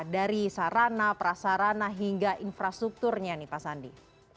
dari sarana prasarana hingga infrastrukturnya nih pak sandi